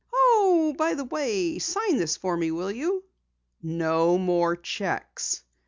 "Oh, by the way, sign this for me, will you?" "No more cheques."